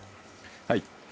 はい。